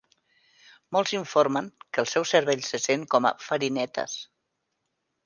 Molts informen que el seu cervell se sent com a "farinetes".